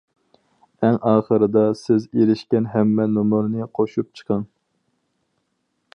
ئەڭ ئاخىرىدا سىز ئېرىشكەن ھەممە نومۇرنى قوشۇپ چىقىڭ.